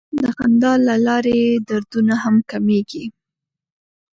د خندا له لارې دردونه هم کمېږي.